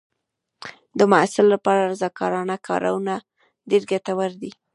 د محصل لپاره رضاکارانه کارونه ډېر ګټور دي.